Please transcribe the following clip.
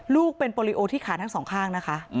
ลูกเป็นโปรลิโอที่ขาทั้งสองข้างนะคะ